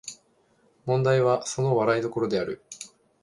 問題はその笑い所である